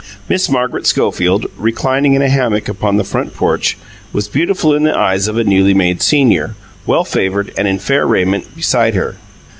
Miss Margaret Schofield, reclining in a hammock upon the front porch, was beautiful in the eyes of a newly made senior, well favoured and in fair raiment, beside her.